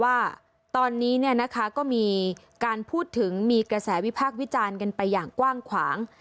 ว่าตอนนี้ก็มีการพูดถึงมีกระแสวิพากษ์วิจารณ์กันไปอย่างกว้างขวาง